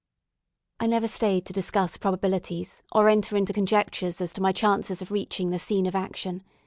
I never stayed to discuss probabilities, or enter into conjectures as to my chances of reaching the scene of action.